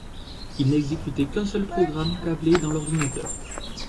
Ils n'exécutaient qu'un seul programme câblé dans l'ordinateur.